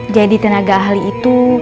jadi tenaga ahli itu